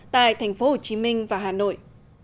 tại tp hcm và hà nội